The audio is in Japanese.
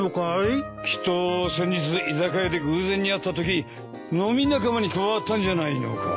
きっと先日居酒屋で偶然に会ったとき飲み仲間に加わったんじゃないのか？